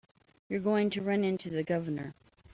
You're going to run into the Governor.